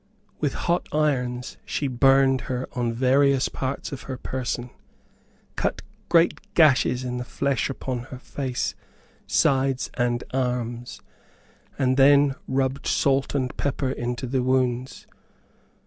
With hot irons she burned her on various parts of her person, cut great gashes in the flesh upon her face, sides, and arms, and then rubbed salt and pepper into the wounds.